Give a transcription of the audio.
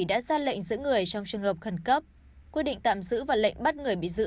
đã ra lệnh giữ người trong trường hợp khẩn cấp quyết định tạm giữ và lệnh bắt người bị giữ